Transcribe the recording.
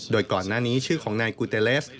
โดยก่อนหน้านี้ชื่อของนายกูเตเลส